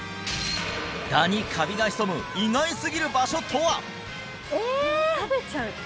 ダニカビが潜む意外すぎる場所とは！？